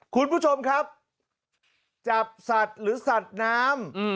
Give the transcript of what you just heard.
คุณผู้ชมครับจับสัตว์หรือสัตว์น้ำ